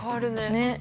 ねっ。